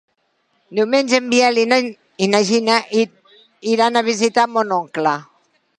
Diumenge en Biel i na Gina iran a visitar mon oncle.